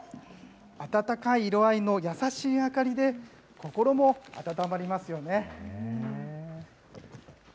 温かい色合いの優しい明かりで、心も温まりますよね。